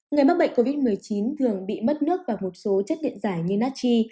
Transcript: người mắc bệnh covid một mươi chín thường bị mất nước và một số chất điện giải như natchi